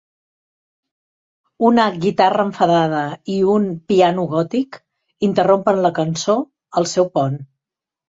Una "guitarra enfadada" i un "piano gòtic" interrompen la cançó al seu pont.